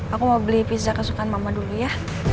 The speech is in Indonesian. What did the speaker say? aku mau beli pizza kesukaan mama dulu ya